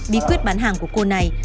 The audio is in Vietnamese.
bí quyết bán hàng của cô này